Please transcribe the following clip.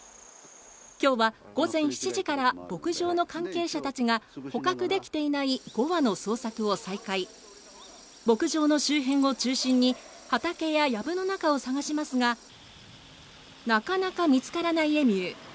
今日は午前７時から牧場の関係者たちが捕獲できていない５羽の捜索を再開、牧場の周辺を中心に畑ややぶの中を捜しますがなかなか見つからないエミュー。